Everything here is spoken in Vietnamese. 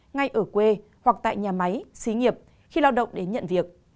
ngay ở quê hoặc tại nhà máy xí nghiệp khi lao động đến nhận việc